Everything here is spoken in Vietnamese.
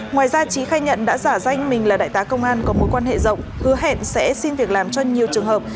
ngoài ra trí khai nhận đã giả danh mình là đại tá công an có mối quan hệ rộng hứa hẹn sẽ xin việc làm cho nhiều trường hợp